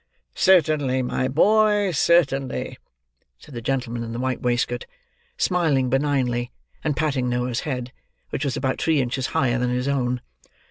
"Certainly, my boy; certainly," said the gentleman in the white waistcoat: smiling benignly, and patting Noah's head, which was about three inches higher than his own.